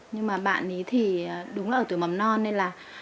nhưng mà bạn ý thì đúng là ở tuổi mầm non nên là